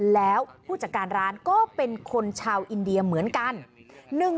แล้วผู้จัดการร้านก็เป็นคนชาวอินเดียเหมือนกัน